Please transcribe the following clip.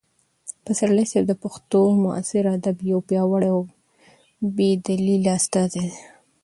پسرلي صاحب د پښتو معاصر ادب یو پیاوړی او بې بدیله استازی دی.